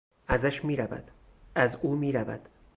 ازش میرود. از او میرود.